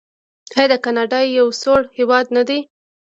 آیا کاناډا یو سوړ هیواد نه دی؟